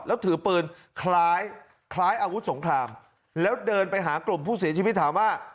แล้วถือปืนคล้ายคล้ายอาวุธสงครามแล้วเดินไปหากลุ่มผู้เสียชีวิตถามว่า